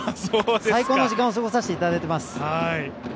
最高の時間を過ごさせていただいています。